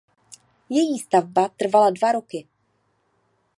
Její stavba trvala dva roky.